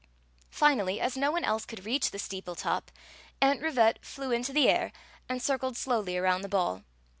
Finally, as no one else could reach the steeple top, Aunt Rivette flew into the air and circled slowly around the ball.